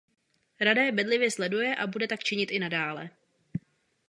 Rada je bedlivě sleduje a bude tak činit i nadále.